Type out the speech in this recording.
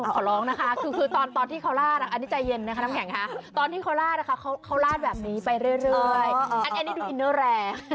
จำพง่ายติกรรมคือแบบเรลาดเอาขวดน้ำปาระราดระด